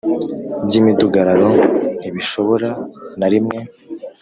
By’imidugararo ntibishobora na rimwe